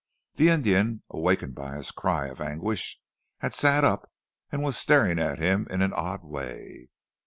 The Indian, awakened by his cry of anguish, had sat up and was staring at him in an odd way.